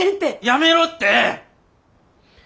やめろって！